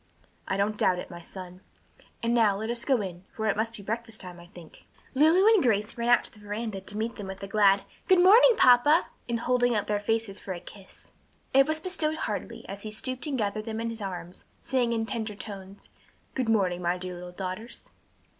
"I don't doubt it, my son. And now let us go in, for it must be breakfast time, I think." Lulu and Grace ran out to the veranda to meet them with a glad, "Good morning, papa," and holding up their faces for a kiss. It was bestowed heartily, as he stooped and gathered them in his arms, saying in tender tones, "Good morning, my dear little daughters."